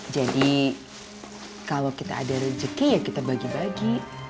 jadi kalau kita ada rejeki ya kita bagi bagi